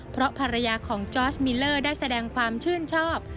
เพราะภรรยาของจอร์สมิลเลอร์ได้แสดงความชื่นชอบ